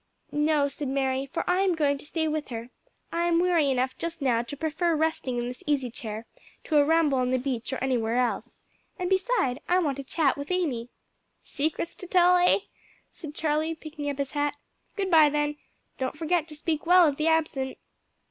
"No," said Mary, "for I am going to stay with her. I am weary enough just now to prefer resting in this easy chair to a ramble on the beach or anywhere else; and beside, I want a chat with Amy." "Secrets to tell, eh?" said Charlie, picking up his hat. "Good bye, then. Don't forget to speak well of the absent."